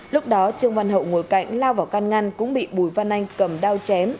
lúc đó trương văn hậu ngồi cạnh lao vào can ngăn cũng bị bùi văn anh cầm đao chém